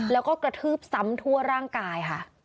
แล้วก็กระทืบซ้ำทั่วร่างกายค่ะ